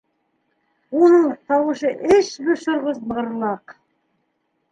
Уның тауышы эс бошорғос мығырлаҡ.